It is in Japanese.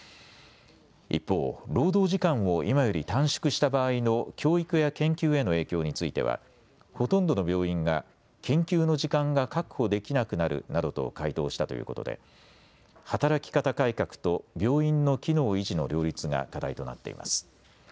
一方、労働時間を今より短縮した場合の教育や研究への影響についてはほとんどの病院が研究の時間が確保できなくなるなどと回答したということで働き方改革と病院の機能維持の両立が課題となっています。